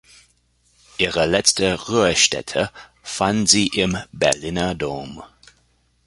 Ihre letzte Ruhestätte fand sie im Berliner Dom.